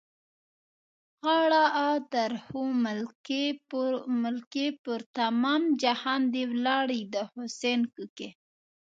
غاړه؛ آ، درخو ملکې! پر تمام جهان دې ولاړې د حُسن کوکې.